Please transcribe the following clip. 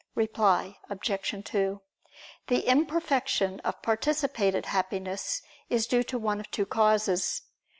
Reply Obj. 2: The imperfection of participated Happiness is due to one of two causes.